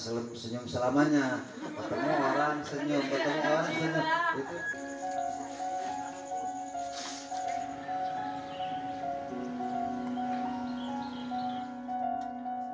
ketemu orang senyum ketemu orang senyum